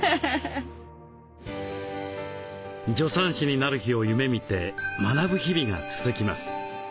助産師になる日を夢みて学ぶ日々が続きます。